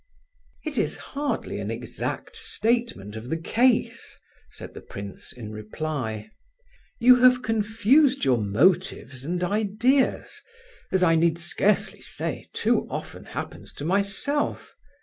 "It is hardly an exact statement of the case," said the prince in reply. "You have confused your motives and ideas, as I need scarcely say too often happens to myself.